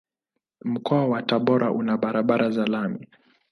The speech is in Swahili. Mkoa wa Tabora una barabara za lami.